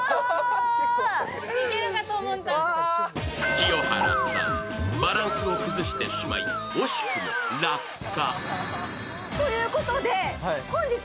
清原さんバランスを崩してしまい惜しくも落下。